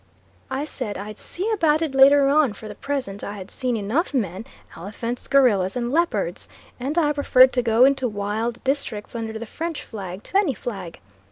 I said I'd see about it later on, for the present I had seen enough men, elephants, gorillas and leopards, and I preferred to go into wild districts under the French flag to any flag.